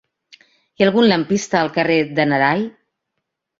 Hi ha algun lampista al carrer de n'Arai?